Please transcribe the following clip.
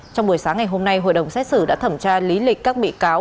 trong buổi sáng ngày hôm nay hội đồng xét xử đã thẩm tra lý lịch các bị cáo